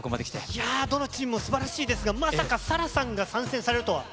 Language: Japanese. いやー、どのチームもすばらしいですが、まさかＳＡＬＡＨさんが参戦されるとは。